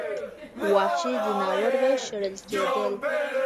وحشي ځناور به شړل کېدل.